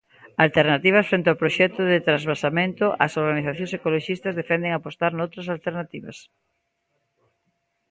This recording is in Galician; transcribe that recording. Alternativas Fronte ao proxecto de transvasamento as organizacións ecoloxistas defenden apostar noutras alternativas.